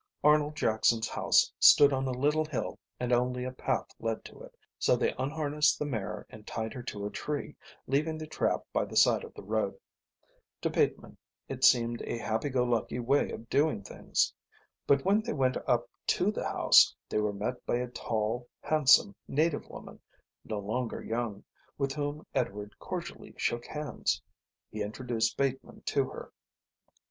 Arnold Jackson's house stood on a little hill and only a path led to it, so they unharnessed the mare and tied her to a tree, leaving the trap by the side of the road. To Bateman it seemed a happy go lucky way of doing things. But when they went up to the house they were met by a tall, handsome native woman, no longer young, with whom Edward cordially shook hands. He introduced Bateman to her.